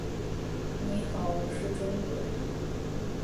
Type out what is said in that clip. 你好，我是中国人。